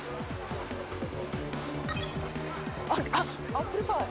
アップルパイ。